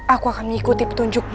aku akan mengikuti petunjukmu